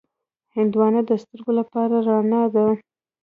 هندوانه د سترګو لپاره رڼا ده.